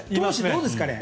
どうですかね。